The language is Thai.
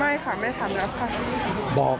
ไม่ค่ะไม่ทำแล้วค่ะ